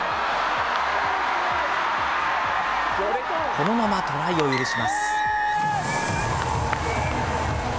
このままトライを許します。